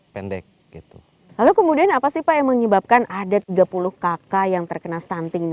pendek gitu lalu kemudian apa sih pak yang menyebabkan ada tiga puluh kakak yang terkena stunting ini